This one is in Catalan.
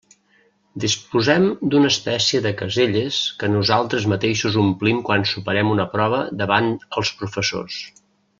Disposem d'una espècie de caselles que nosaltres mateixos omplim quan superem una prova davant els professors.